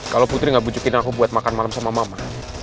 kalau putri gak bujukin aku buat makan malam sama mama